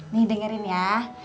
nih dengerin ya